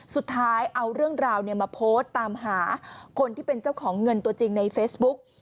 สุดท้ายเอาเรื่องราวมาโพสต์ตามหาคนที่เป็นเจ้าของเงินตัวจริงในเฟซบุ๊ก